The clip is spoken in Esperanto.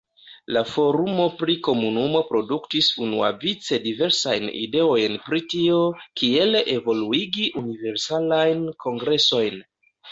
La forumo pri komunumo produktis unuavice diversajn ideojn prio tio, kiel evoluigi Universalajn Kongresojn.